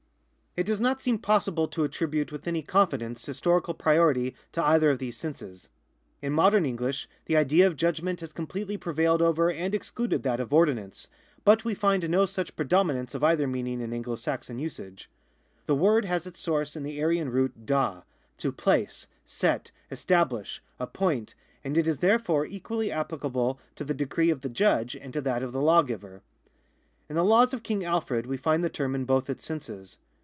It does not seem possible to 1 See Ducange, sub voc. Lex. ^ Ibid, ^ Ibid. 4 See Murray's New English Dictionary, sub voc. Doom. APPENDIX I 465 attribute with any confidence historical priority to cither of these sensea In modern English the idea of judgment has completely prevailed over and excluded that of ordinance, but we find no such predominance of cither meaning in Anglo Saxon usage. The word has its source in the Aryan root DHA, to place, sot, establish, appoint, and it is therefore equally ajiplicablo to the decree of the judge and to that of the lawgiver. In the laws of King Alfred we find the term in both its senses.